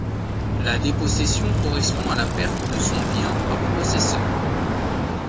La dépossession correspond à la perte de son bien par le possesseur.